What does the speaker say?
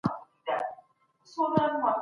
حقوقپوهان کله د فردي مالکیت حق ورکوي؟